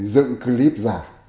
dự clip giả